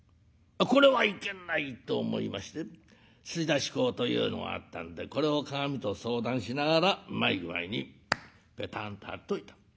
これはいけないと思いまして吸出膏というのがあったんでこれを鏡と相談しながらうまい具合にぺたんと貼っといた。